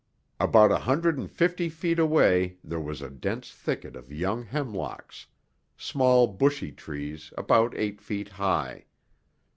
About a hundred and fifty feet away there was a dense thicket of young hemlocks, small bushy trees about eight feet high.